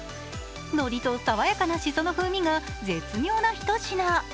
のりと爽やかなシソの風味が絶妙なひと品。